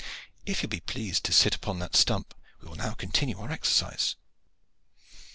If you will be pleased to sit upon that stump, we will now continue our exercise."